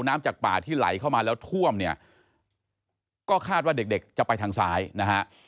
น้ำจากป่าที่ไหลเข้ามาแล้วท่วมเนี่ยก็คาดว่าเด็กเด็กจะไปทางซ้ายนะฮะ